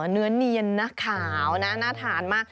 เนื้อเนียนนะขาวนะน่าทานมาก